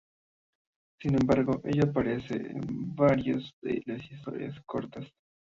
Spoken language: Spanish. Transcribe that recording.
Sin embargo, ella aparece en varios de las historias cortas.